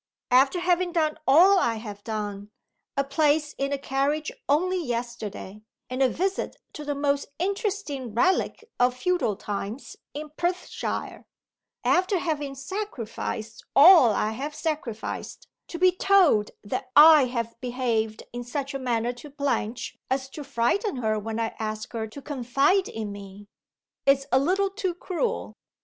'); after having done all I have done a place in the carriage only yesterday, and a visit to the most interesting relic of feudal times in Perthshire after having sacrificed all I have sacrificed, to be told that I have behaved in such a manner to Blanche as to frighten her when I ask her to confide in me, is a little too cruel.